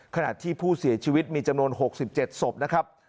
ขณะที่ผู้เสียชีวิตมีจำนวน๖๗ศพนะครับ